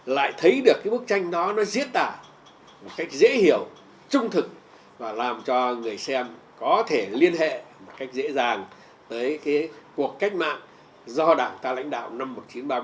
lại thấy được cái bức tranh đó nó diễn tả một cách dễ hiểu trung thực và làm cho người xem có thể liên hệ một cách dễ dàng tới cái cuộc cách mạng do đảng ta lãnh đạo năm một nghìn chín trăm ba mươi